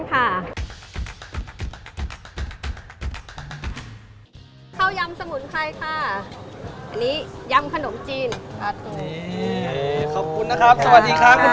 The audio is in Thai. ขอบคุณนะครับสวัสดีค่ะข้าคุณพี่